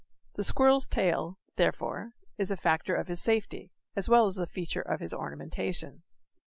The squirrel's tail, therefore, is a factor of his safety, as well as a feature of his ornamentation.